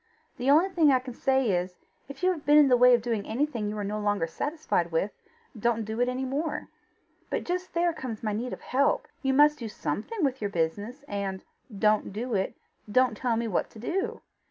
The only thing I can say is: if you have been in the way of doing anything you are no longer satisfied with, don't do it any more." "But just there comes my need of help. You must do something with your business, and DON'T DO IT, don't tell me what to do.